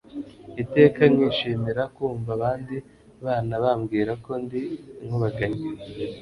iteka nkishimira kumva abandi bana bambwira ko ndi inkubaganyi